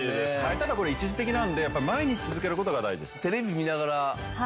ただこれ一時的なのでやっぱ毎日続ける事が大事です。